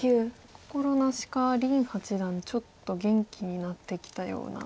心なしか林八段ちょっと元気になってきたような。